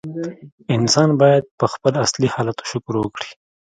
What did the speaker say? انسان باید په خپل اصلي حالت شکر وکړي.